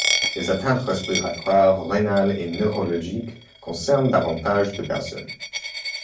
Les atteintes respiratoires, rénales, et neurologiques concernent davantage de personnes.